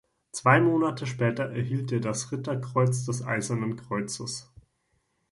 Zwei Monate später erhielt er das Ritterkreuz des Eisernen Kreuzes.